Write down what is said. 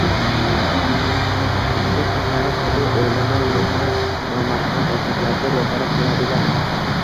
Shu qizlari qurg‘ur, o‘ylamay-netmay, nomahram erkaklarga ro‘para qiladi-da.